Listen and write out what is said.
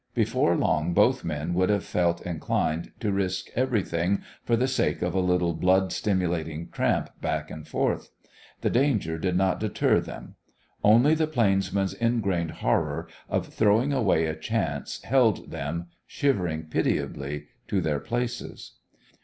Before long both men would have felt inclined to risk everything for the sake of a little blood stimulating tramp back and forth. The danger did not deter them. Only the plainsman's ingrained horror of throwing away a chance held them, shivering pitiably, to their places.